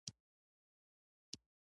مکتوب راغلی د ملکانو په اړه، یې په اړه وویل.